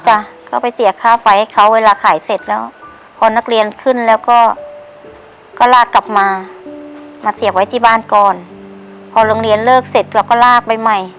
จ้ะก็ไปเสียค่าไฟให้เขาเวลาขายเสร็จแล้วพอนักเรียนขึ้นแล้วก็ก็ลากกลับมามาเสียบไว้ที่บ้านก่อนพอโรงเรียนเลิกเสร็จเราก็ลากไปใหม่